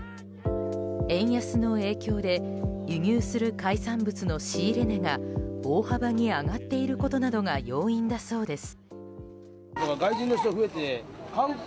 円安の影響で輸入する海産物の仕入れ値が大幅に上がっていることなどが要因だそうです。